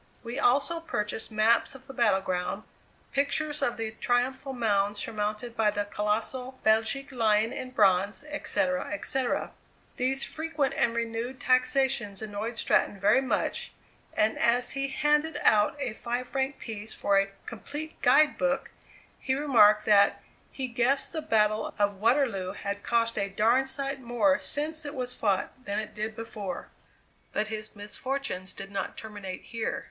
We also purchased maps of the battle ground, pictures of the triumphal mound surmounted by the colossal Belgic Lion in bronze, etc., etc. These frequent and renewed taxations annoyed Stratton very much, and as he handed out a five franc piece for a "complete guide book," he remarked, that "he guessed the battle of Waterloo had cost a darned sight more since it was fought than it did before!" But his misfortunes did not terminate here.